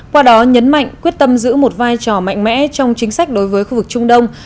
qua đó nhấn mạnh quyết tâm giữ một vai trò mạnh mẽ trong chính sách đối với khu vực trung đông